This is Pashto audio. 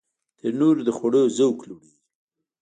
تنور د خوړو ذوق لوړوي